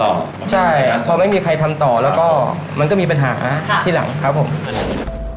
ใช่พอไม่มีใครทำต่อแล้วก็มันก็มีปัญหาที่หลังครับผม